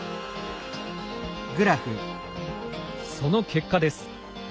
その結果です。